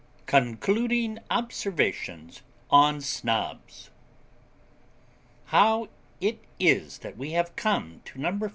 CONCLUDING OBSERVATIONS ON SNOBS How it is that we have come to No.